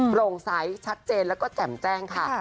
โปร่งใสชัดเจนแล้วก็แจ่มแจ้งค่ะ